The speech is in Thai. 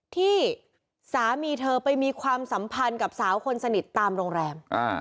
ที่สามีเธอไปมีความสัมพันธ์กับสาวคนสนิทตามโรงแรม